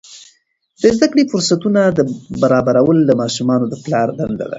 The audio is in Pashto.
د زده کړې فرصتونه برابرول د ماشومانو د پلار دنده ده.